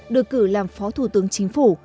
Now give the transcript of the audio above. được cử làm phó thủ tướng chính phủ